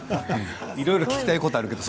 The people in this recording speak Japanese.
いろいろ聞きたいこともあるけど